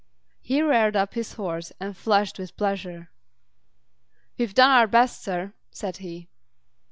He reared up his horse and flushed with pleasure. "We've done our best, sir," said he.